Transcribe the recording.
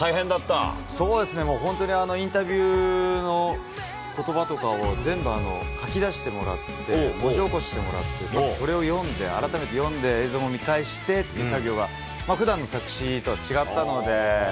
そうですね、もう本当にインタビューのことばとかを全部書き出してもらって、文字起こししてもらって、それを読んで、改めて読んで映像も見返してって作業がふだんの作詞とは違ったので。